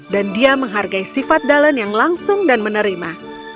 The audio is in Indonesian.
dan dia menghargai sifat dallon yang langsung dan menerima